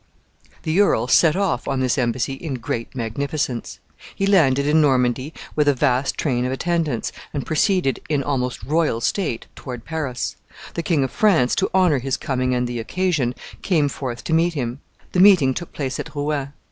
The earl set off on this embassy in great magnificence. He landed in Normandy with a vast train of attendants, and proceeded in almost royal state toward Paris. The King of France, to honor his coming and the occasion, came forth to meet him. The meeting took place at Rouen.